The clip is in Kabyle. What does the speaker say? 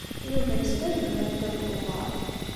Yuba yessen ad yurar ddabex n uḍar.